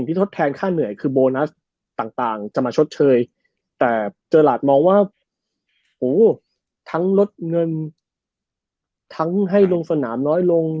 ต่างจะมาชดเชยแต่เจอร์หลาดมองว่าโหทั้งลดเงินทั้งให้ลงสนามน้อยลง